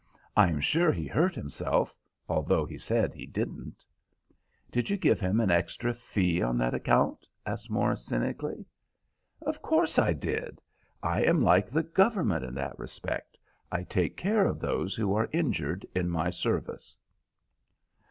I am sure he hurt himself, although he said he didn't." "Did you give him an extra fee on that account?" asked Morris, cynically. "Of course I did. I am like the Government in that respect. I take care of those who are injured in my service."